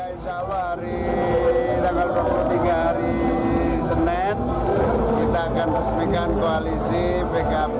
insya allah hari tanggal dua puluh tiga hari senin kita akan resmikan koalisi pkb